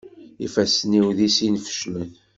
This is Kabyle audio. Ifassen-iw di sin feclen.